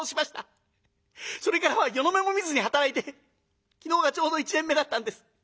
それからは夜の目も見ずに働いて昨日がちょうど一年目だったんです。